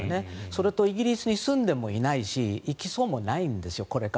それにイギリスに住んでもないしこれからも行きそうもないんですよ。